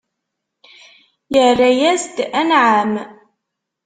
Irra-yas-d: Anɛam!